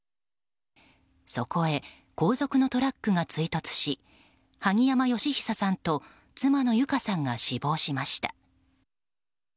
そこへ、後続のトラックが追突し萩山嘉久さんと妻の友香さんが死亡しました。